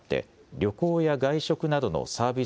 旅行や外食などのサービス